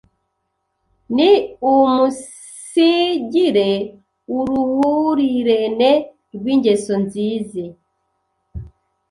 ni uumunsigire uruhurirene rw’ingeso nzize